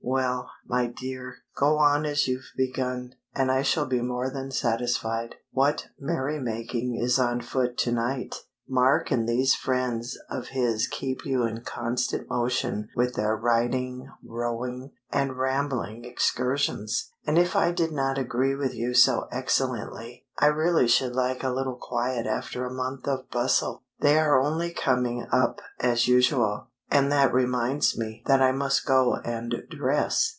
"Well, my dear, go on as you've begun, and I shall be more than satisfied. What merry making is on foot to night? Mark and these friends of his keep you in constant motion with their riding, rowing, and rambling excursions, and if it did not agree with you so excellently, I really should like a little quiet after a month of bustle." "They are only coming up as usual, and that reminds me that I must go and dress."